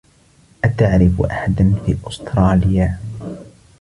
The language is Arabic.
أتعرف أحدًا في أستراليا؟